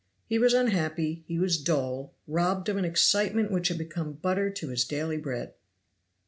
He was unhappy; he was dull; robbed of an excitement which had become butter to his daily bread.